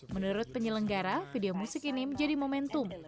menurut penyelenggara video musik ini menjadi momentum